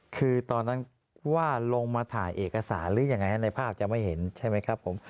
คือตอนนั้นว่าลงมาถ่ายเอกสารหรือยังไงในภาพจะไม่เห็นใช่ไหมครับผม